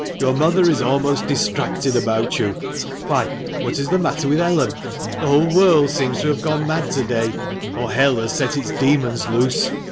" Your mother is almost distracted about you — Why, what is the matter with Ellen ? The whole world seems gone mad to day — or hell has set its demons loose.